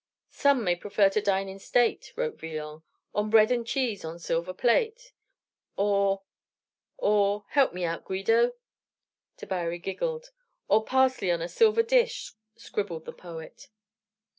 "Some may prefer to dine in state" wrote Villon, "On bread and cheese on silver plate. Or or help me out, Guido!" Tabary giggled. "Or parsley on a silver dish" scribbled the poet.